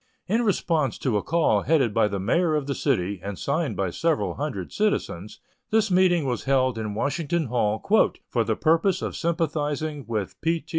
In response to a call headed by the mayor of the city, and signed by several hundred citizens, this meeting was held in Washington Hall "for the purpose of sympathizing with P. T.